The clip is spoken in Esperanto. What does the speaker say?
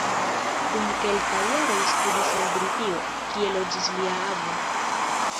Dum kelkaj jaroj studis en Britio, kie loĝis lia avo.